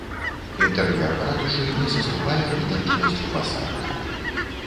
Інтэр'ер ратушы не саступае вытанчанасцю фасада.